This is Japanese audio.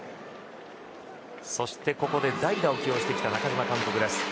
そしてここで代打を起用してきた中嶋監督。